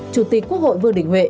chủ tịch quốc hội vương đình huệ